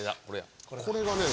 これがね。